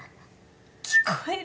聞こえる